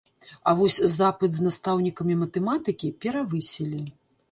А вось запыт з настаўнікамі матэматыкі перавысілі.